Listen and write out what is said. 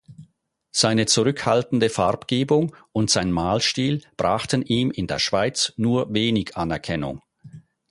Seine zurückhaltende Farbgebung und sein Malstil brachten ihm in der Schweiz nur wenig Anerkennung.